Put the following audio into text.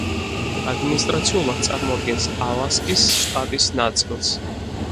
ადმინისტრაციულად წარმოადგენს ალასკის შტატის ნაწილს.